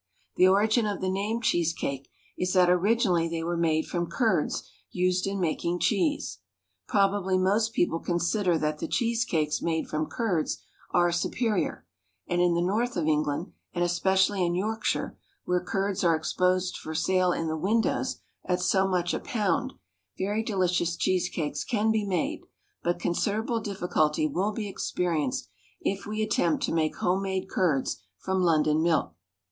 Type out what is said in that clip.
The origin of the name cheese cake is that originally they were made from curds used in making cheese. Probably most people consider that the cheese cakes made from curds are superior, and in the North of England, and especially in Yorkshire, where curds are exposed for sale in the windows at so much a pound, very delicious cheese cakes can be made, but considerable difficulty will be experienced if we attempt to make home made curds from London milk.